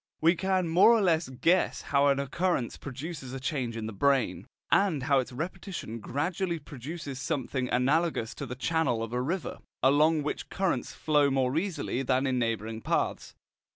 We can more or less guess how an occurrence produces a change in the brain, and how its repetition gradually produces something analogous to the channel of a river, along which currents flow more easily than in neighbouring paths.